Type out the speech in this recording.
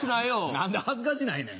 何で恥ずかしないねん？